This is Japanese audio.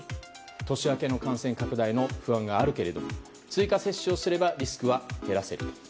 年明けの感染拡大の不安があるけれども追加接種をすればリスクは減らせる。